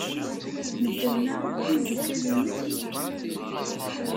Medden-a akk d imeddukal-nnek?